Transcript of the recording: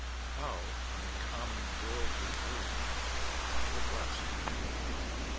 How, from the common worldly herd, One of the blest?